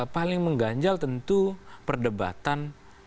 paling mengganjal tentu perdebatan